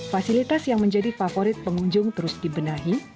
fasilitas yang menjadi favorit pengunjung terus dibenahi